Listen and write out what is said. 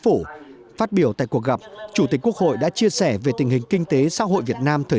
phát biểu tại cuộc gặp chủ tịch quốc hội đã chia sẻ về tình hình kinh tế xã hội việt nam thời